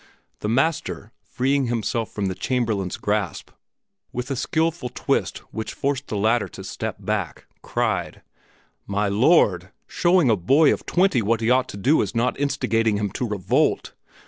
The Master, freeing himself from the Chamberlain's grasp with a skilful twist which forced the latter to step back, cried, "My lord, showing a boy of twenty what he ought to do is not instigating him to revolt!